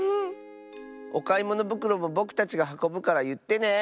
おかいものぶくろもぼくたちがはこぶからいってね。